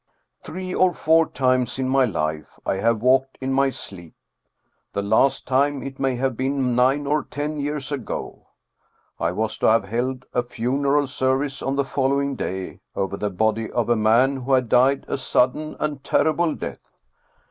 " Three or four times in my life I have walked in my sleep. The last time it may have been nine or ten years ago I was to have held a funeral service on the following day, over the body of a man who had died a sudden and terrible death.